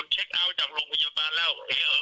จากโรงพยาบาลแล้ว